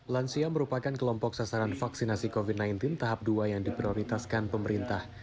lansia merupakan kelompok sasaran vaksinasi covid sembilan belas tahap dua yang diprioritaskan pemerintah